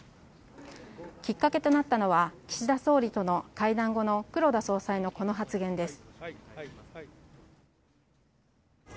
きっかけとなったのは岸田総理との会談後の黒田総裁の、この発言です。